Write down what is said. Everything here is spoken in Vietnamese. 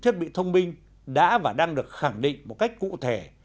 thiết bị thông minh đã và đang được khẳng định một cách cụ thể